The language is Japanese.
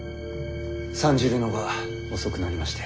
参じるのが遅くなりまして。